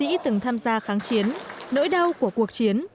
các chiến sĩ từng tham gia kháng chiến nỗi đau của cuộc chiến